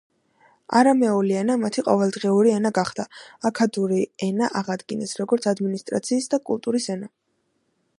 არამეული ენა მათი ყოველდღიური ენა გახდა, აქადური ენა აღადგინეს, როგორც ადმინისტრაციისა და კულტურის ენა.